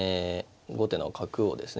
後手の角をですね